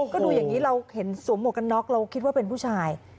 ก็ดูอย่างนี้เราเห็นสวมหมวกกันน็อกเราคิดว่าเป็นผู้ชาย